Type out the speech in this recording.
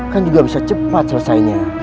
kan juga bisa cepat selesainya